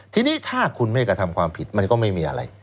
ทีนี้ถ้าคุณไม่ได้กระทำความผิดมันก็ไม่มีอะไร